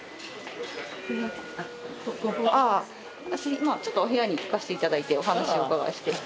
今ちょっとお部屋に行かせて頂いてお話をお伺いして。